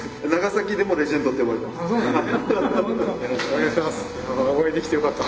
お願いします。